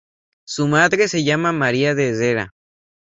Su madre se llamó María de Herrera.